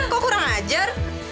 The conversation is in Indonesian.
kok kurang ajar